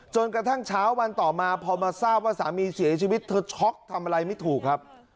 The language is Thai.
จนกระทั่งเช้าวันต่อมาพอมาทราบว่าสามีเสียชีวิตเธอช็อกทำอะไรไม่ถูกครับ